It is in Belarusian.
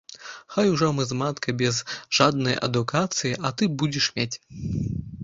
Хай ужо мы з маткай без жаднай адукацыі, а ты будзеш мець.